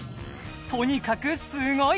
とにかくすごい！